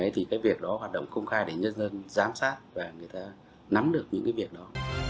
thì cái việc đó hoạt động công khai để nhân dân giám sát và người ta nắm được những cái việc đó